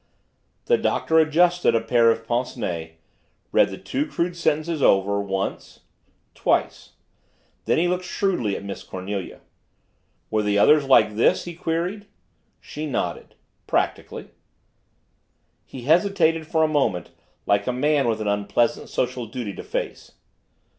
The Doctor adjusted a pair of pince nez read the two crude sentences over once twice. Then he looked shrewdly at Miss Cornelia. "Were the others like this?" he queried. She nodded. "Practically." He hesitated for a moment like a man with an unpleasant social duty to face.